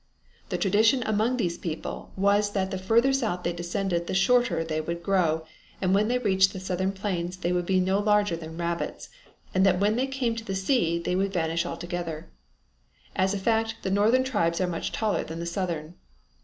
The tradition among these people was that the further south they descended the shorter they would grow, that when they reached the southern plains they would be no larger than rabbits, and that when they came to the sea they would vanish altogether. As a fact the northern tribes are much taller than the southern.